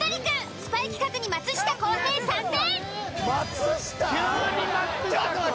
スパイ企画に松下洸平参戦！